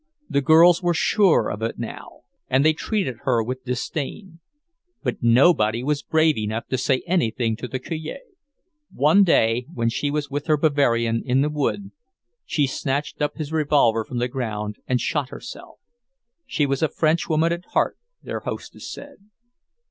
The girls were sure of it now; and they treated her with disdain. But nobody was brave enough to say anything to the Cure. One day, when she was with her Bavarian in the wood, she snatched up his revolver from the ground and shot herself. She was a Frenchwoman at heart, their hostess said.